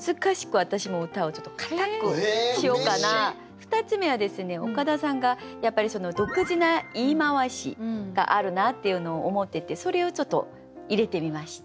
２つ目はですね岡田さんがやっぱり独自な言い回しがあるなっていうのを思っててそれをちょっと入れてみました。